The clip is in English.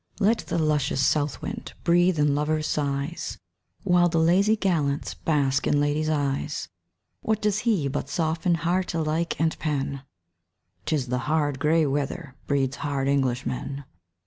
Let the luscious South wind Breathe in lovers' sighs, While the lazy gallants Bask in ladies' eyes. What does he but soften Heart alike and pen? 'Tis the hard gray weather Breeds hard English men.